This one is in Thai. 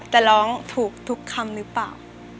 แต่ร้องถูกทุกคำหรือเปล่า